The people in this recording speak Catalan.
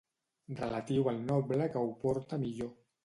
Relatiu al noble que ho porta millor.